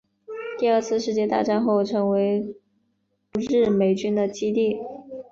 第二次世界大战后成为驻日美军的基地。